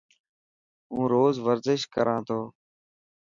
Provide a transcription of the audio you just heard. هون روز ورزش ڪران ٿو.